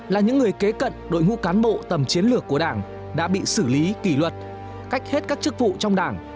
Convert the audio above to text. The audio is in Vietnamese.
là những người kế cận đội ngũ cán bộ tầm chiến lược của đảng đã bị xử lý kỷ luật cách hết các chức vụ trong đảng